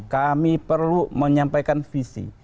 kami perlu menyampaikan visi